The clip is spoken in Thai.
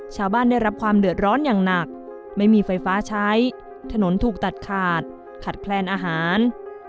ได้รับความเดือดร้อนอย่างหนักไม่มีไฟฟ้าใช้ถนนถูกตัดขาดขาดแคลนอาหาร